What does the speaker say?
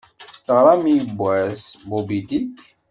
Teɣṛam yewwas "Moby Dick"?